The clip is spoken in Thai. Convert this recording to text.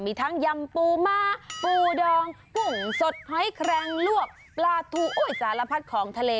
มีทั้งยำปูม้าปูดองกุ้งสดหอยแครงลวกปลาทู้สารพัดของทะเล